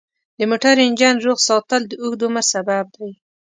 د موټر انجن روغ ساتل د اوږد عمر سبب دی.